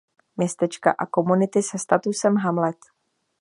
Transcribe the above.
Městečka a komunity se statusem "hamlet".